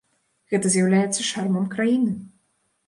Гэта з'яўляецца шармам краіны.